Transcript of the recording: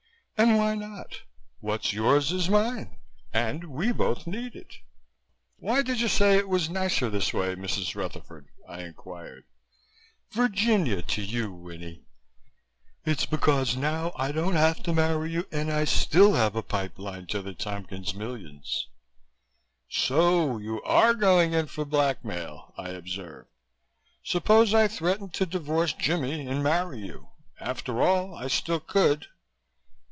"And why not? What's yours is mine, and we both need it." "Why did you say it was nicer this way, Mrs. Rutherford?" I inquired. "Virginia to you, Winnie. It's because now I don't have to marry you and I still have a pipe line to the Tompkins millions." "So you are going in for blackmail," I observed. "Suppose I threatened to divorce Jimmie and marry you. After all, I still could."